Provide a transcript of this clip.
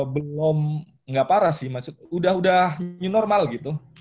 belom nggak parah sih udah udah new normal gitu